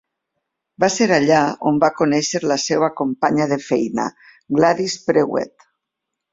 Va ser allà on va conèixer la seva companya de feina, Gladys Prewett.